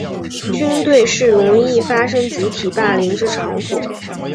军队是容易发生集体霸凌之场所。